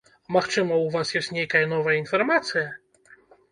Магчыма, у вас ёсць нейкая новая інфармацыя?